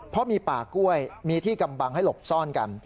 เพราะมีป่ากล้วยมีที่กำบังให้หลบซ่อนกัน